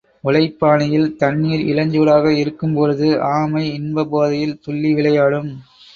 உலைப்பானையில் தண்ணீர் இளஞ்சூடாக இருக்கும் பொழுது ஆமை இன்ப போதையில் துள்ளி விளையாடும்.